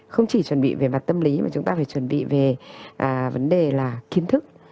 không chỉ chuẩn bị về mặt tâm lý mà chúng ta phải chuẩn bị về vấn đề là kiến thức